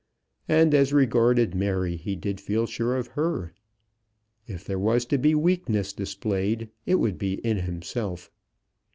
And as regarded Mary, he did feel sure of her. If there was to be weakness displayed, it would be in himself.